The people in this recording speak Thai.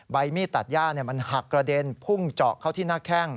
ใบมีดตัดย่ามันหักกระเด็นพุ่งเจาะเข้าที่หน้าแข้ง